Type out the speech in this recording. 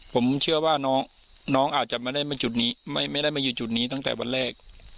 ผมเชื่อว่าน้องอาจจะไม่ได้มาจุดนี้ไม่ได้มาอยู่จุดนี้ตั้งแต่วันแรก